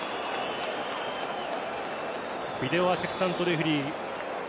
ビデオアシスタントレフェリー。